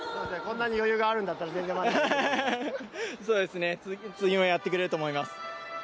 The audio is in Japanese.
こんなに余裕があるんだったら全然次もやってくれると思います。